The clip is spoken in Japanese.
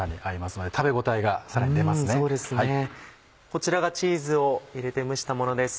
こちらがチーズを入れて蒸したものです。